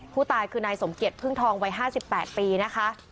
ผู้ตายคือนายสมเกียจพึ่งทองวัย๕๘ปีนะคะ